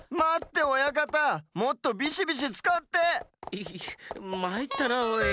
イヒッまいったなおい。